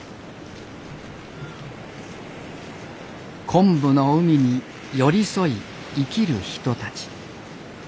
昆布の海に寄り添い生きる人たち。